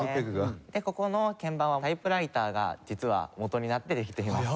ここの鍵盤はタイプライターが実は元になってできています。